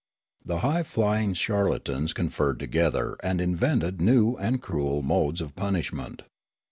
The high flying charlatans conferred together and invented new and cruel modes of punishment.